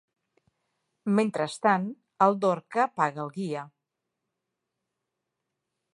Mentrestant, el Dorca paga al guia.